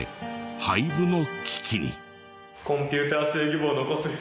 廃部の危機に。